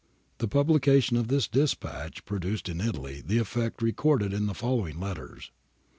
The publication of this dispatch produced in Italy the effect recorded in the following letters.